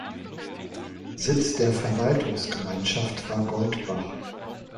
Sitz der Verwaltungsgemeinschaft war Goldbach.